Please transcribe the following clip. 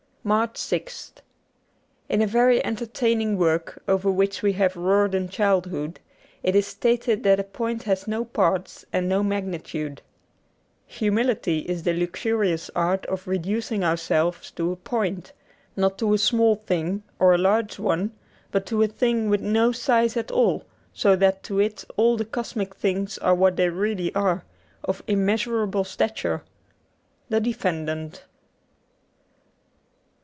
'' 71 MARCH 6th IN a very entertaining work, over which we have roared in childhood, it is stated that a point has no parts and no magnitude. Humility is the luxurious art of reducing ourselves to a point, not to a small thing or a large one, but to a thing with no size at all, so that to it all the cosmic things are what they really are — of immeasurable stature. 'The Defendant.